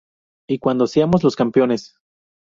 Y cuando seamos los campeones.